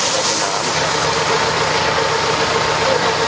และอันดับสุดท้ายประเทศอเมริกา